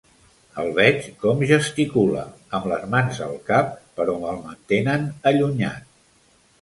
El veig com gesticula, amb les mans al cap, però me'l mantenen allunyat.